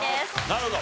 なるほど。